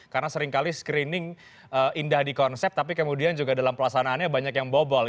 karena seringkali screening indah di konsep tapi kemudian juga dalam pelaksanaannya banyak yang bobol